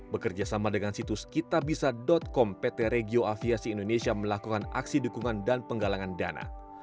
bekerja sama dengan situs kitabisa com pt regio aviasi indonesia melakukan aksi dukungan dan penggalangan dana